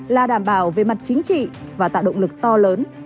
là đảm bảo về mặt chính trị và tạo động lực to lớn